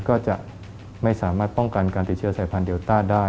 ก็จะไม่สามารถป้องกันการติดเชื้อสายพันธุเดลต้าได้